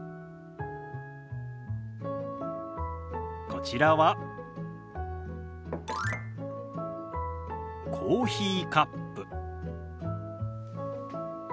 こちらはコーヒーカップ。